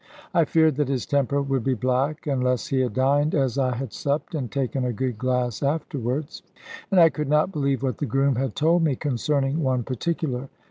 I feared that his temper would be black, unless he had dined as I had supped, and taken a good glass afterwards. And I could not believe what the groom had told me concerning one particular.